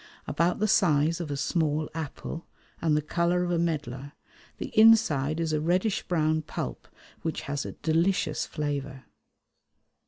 About the size of a small apple and the colour of a medlar, the inside is a reddish brown pulp, which has a delicious flavour.